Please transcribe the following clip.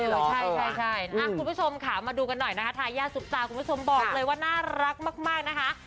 คุณผู้ชมค่ะมาดูกันหน่อยนะคะทายาทซุปตาคุณผู้ชมบอกเลยว่าน่ารักมากนะคะ